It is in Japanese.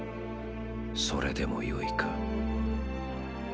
それでもよいか。